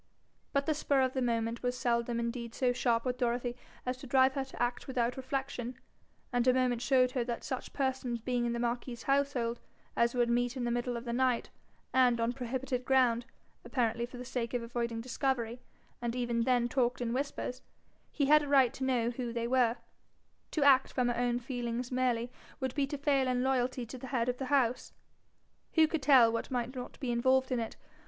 But the spur of the moment was seldom indeed so sharp with Dorothy as to drive her to act without reflection, and a moment showed her that such persons being in the marquis's household as would meet in the middle of the night, and on prohibited ground, apparently for the sake of avoiding discovery, and even then talked in whispers, he had a right to know who they were: to act from her own feelings merely would be to fail in loyalty to the head of the house. Who could tell what might not be involved in it?